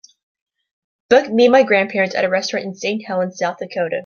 book me and my grandparents a restaurant in Saint Helens South Dakota